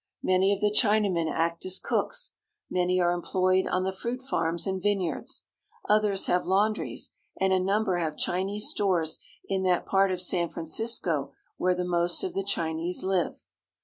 Many of the China men act as cooks ; many are employed on the fruit farms and vineyards ; others have laundries, and a number have Chinese stores in that part of San Francisco where the most of the Chinese live.